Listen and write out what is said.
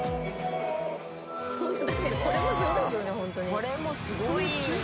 これもすごい。